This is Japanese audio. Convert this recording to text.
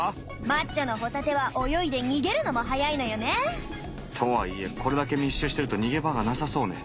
マッチョのホタテは泳いで逃げるのも早いのよね。とはいえこれだけ密集してると逃げ場がなさそうね。